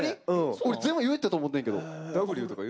俺全部言えたと思うねんけど。